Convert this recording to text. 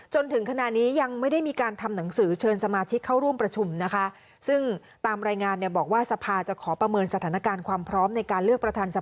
จนถึงขณะนี้ยังไม่ได้มีการทำหนังสือ